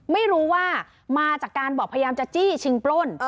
ไม่รู้ว่ามาจากการบอกพยายามจะจี้ชิงปล้น